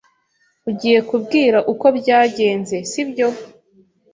Ugiye kubwira uko byagenze, sibyo?